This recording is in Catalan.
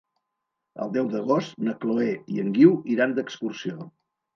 El deu d'agost na Chloé i en Guiu iran d'excursió.